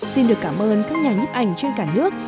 xin được cảm ơn các nhà nhếp ảnh trên cả nước